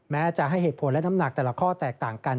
แม้จะให้เหตุผลและน้ำหนักแต่ละข้อแตกต่างกัน